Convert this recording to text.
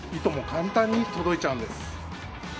簡単に届いちゃうんです。